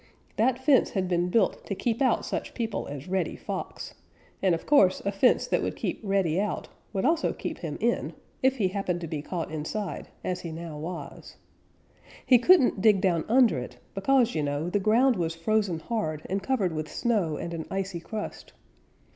That fence had been built to keep out such people as Reddy Fox, and of course a fence that would keep Reddy out would also keep him in, if he happened to be caught inside as he now was. He couldn't dig down under it, because, you know, the ground was frozen hard and covered with snow and an icy crust.